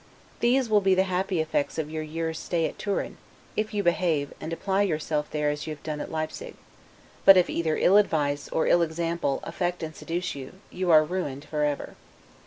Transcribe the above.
These will be the happy effects of your year's stay at Turin, if you behave, and apply yourself there as you have done at Leipsig; but if either ill advice, or ill example, affect and seduce you, you are ruined forever.